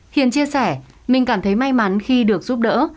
hiền chia sẻ mình cảm thấy may mắn khi được giúp đỡ